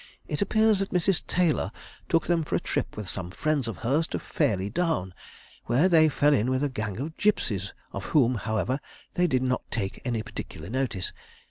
It appears that Mrs. Taylor took them for a trip with some friends of hers to Fairlie Down, where they fell in with a gang of gipsies, of whom, however, they did not take any particular notice.